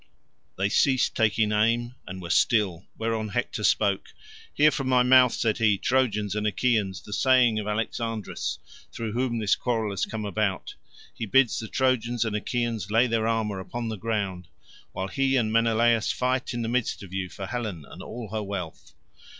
They ceased taking aim and were still, whereon Hector spoke. "Hear from my mouth," said he, "Trojans and Achaeans, the saying of Alexandrus, through whom this quarrel has come about. He bids the Trojans and Achaeans lay their armour upon the ground, while he and Menelaus fight in the midst of you for Helen and all her wealth.